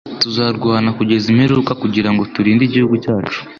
Tuzarwana kugeza imperuka kugirango turinde igihugu cyacu